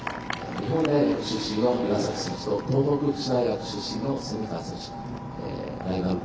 日本大学出身の岩崎選手と東北福祉大学出身の蝉川選手。